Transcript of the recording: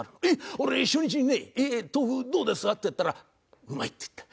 俺初日にね「豆腐どうですか？」って言ったら「うまい」って言った。